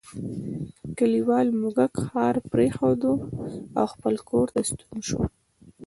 کلیوال موږک ښار پریښود او خپل کور ته ستون شو.